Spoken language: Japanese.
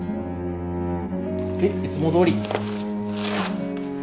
はいいつもどおり。